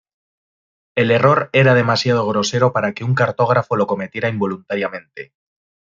El error era demasiado grosero para que un cartógrafo lo cometiera involuntariamente.